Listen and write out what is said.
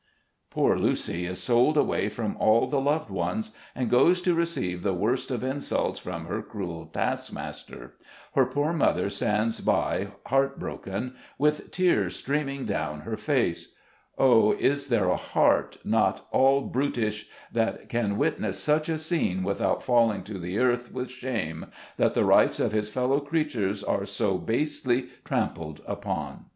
Poor Lucy is sold away from all the loved ones, and goes to receive the worst of insults from her cruel task master. Her poor mother stands by heart broken, with tears streaming down her face. 186 SKETCHES OF SLAVE LIFE. Oh ! is there a heart, not all brutish, that can wit ness such a scene without falling to the earth with shame, that the rights of his fellow creatures are so basely trampled upon